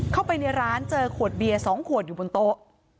เข้าไปในร้านเจอขวดเบียร์๒ขวดอยู่บนโต๊ะ